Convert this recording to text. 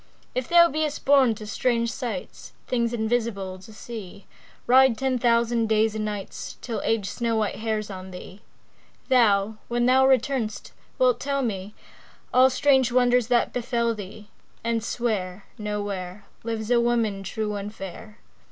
If thou be'st born to strange sights, Things invisible to see, Ride ten thousand days and nights Till Age snow white hairs on thee; Thou, when thou return'st wilt tell me All strange wonders that befell thee, And swear No where Lives a woman true and fair.